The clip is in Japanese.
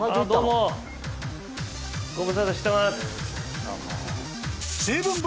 ご無沙汰してます。